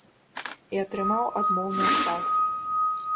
І атрымаў адмоўны адказ.